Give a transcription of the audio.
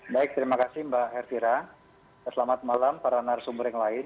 baik terima kasih mbak herfira selamat malam para narasumber yang lain